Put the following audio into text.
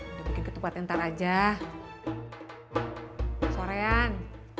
udah bikin ketupat entar aja sorean